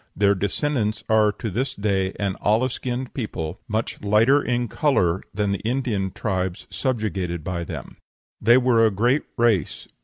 Their descendants are to this day an olive skinned people, much lighter in color than the Indian tribes subjugated by them. They were a great race.